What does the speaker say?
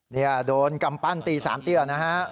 นี่โดนกำปั้นตี๓เตี้ยนะฮะ